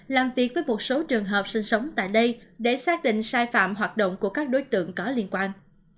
làm việc với một số trường hợp sinh sống tại đây để xác định sai phạm hoạt động của các đối tượng có liên quan